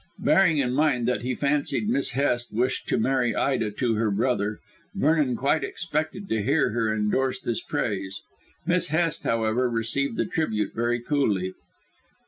Bearing in mind that he fancied Miss Hest wished to marry Ida to her brother, Vernon quite expected to hear her endorse this praise. Miss Hest, however, received the tribute very coolly.